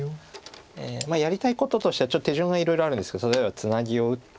やりたいこととしてはちょっと手順がいろいろあるんですけど例えばツナギを打って。